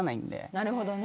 なるほどね。